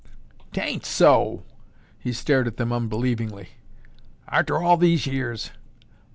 "'Tain't so!" He stared at them unbelievingly. "Arter all these years!